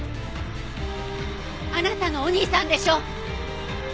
あなたのお兄さんでしょ！